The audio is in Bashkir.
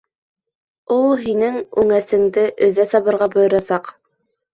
Ул һинең үңәсеңде өҙә сабырға бойорасаҡ!